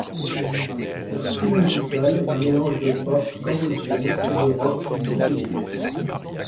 Leur style musical est un mélange de pop cambodgienne et de rock psychédélique.